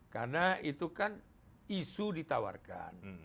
karena itu kan isu ditawarkan